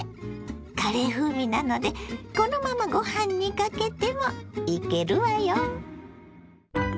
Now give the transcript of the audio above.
カレー風味なのでこのままごはんにかけてもイケるわよ。